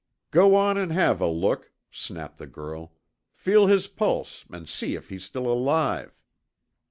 "Go on and have a look," snapped the girl. "Feel his pulse and see if he's still alive."